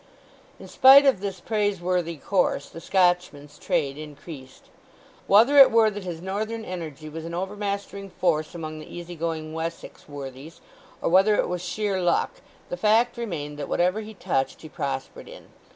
In spite of this praiseworthy course the Scotchman's trade increased. Whether it were that his northern energy was an overmastering force among the easy going Wessex worthies, or whether it was sheer luck, the fact remained that whatever he touched he prospered in.